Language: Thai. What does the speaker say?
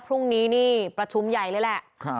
พรุ่งนี้นี่ประชุมใหญ่เลยแหละ